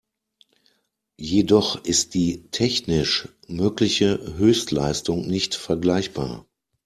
Jedoch ist die technisch mögliche Höchstleistung nicht vergleichbar.